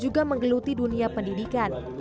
yang menggeluti dunia pendidikan